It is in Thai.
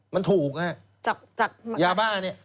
มันถูกนะครับ